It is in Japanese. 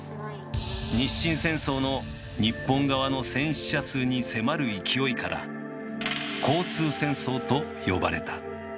日清戦争の日本側の戦死者数に迫る勢いから「交通戦争」と呼ばれた。